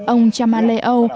ông cha maleo